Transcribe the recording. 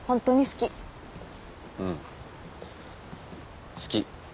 うん好き。